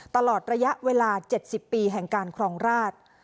ตลอดระยะเวลา๗๐ปีแห่งการครองราช